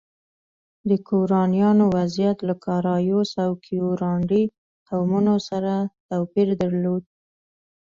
د ګورانیانو وضعیت له کارایوس او کیورانډي قومونو سره توپیر درلود.